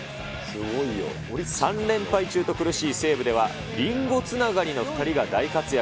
３連敗中と苦しい西武では、リンゴつながりの２人が大活躍。